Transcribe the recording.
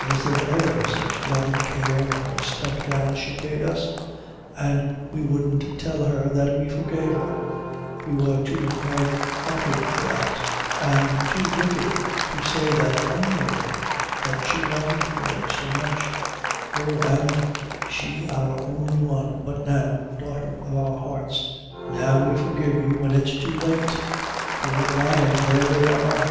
Was there ever such love an' care, an' respect, as she paid us? an' we wouldn't tell her that we forgave her; we wor too hardhearted for that, an' too wicked to say that one word that she longed for so much oh an' she our only one but now daughter of our hearts now we forgive you when it's too late for, Brian, there they are!